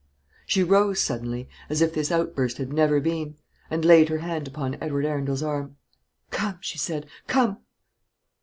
She rose suddenly, as if this outburst had never been, and laid her hand upon Edward Arundel's arm. "Come!" she said; "come!"